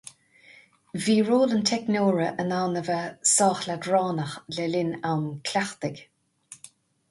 Bhí ról an teicneora in ann a bheith sách leadránach le linn am cleachtaidh.